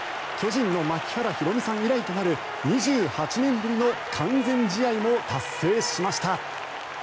巨人の槙原寛己さん以来となる２８年ぶりの完全試合も達成しました。